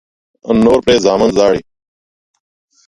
نور پرې زامن ژاړي.